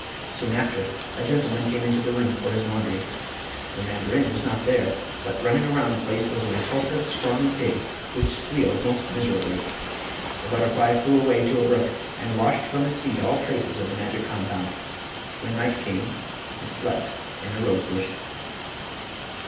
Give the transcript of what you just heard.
Soon after a gentleman came into the room for his laundry. The mandarin was not there, but running around the place was a repulsive, scrawny pig, which squealed most miserably. The butterfly flew away to a brook and washed from its feet all traces of the magic compound. When night came it slept in a rose bush.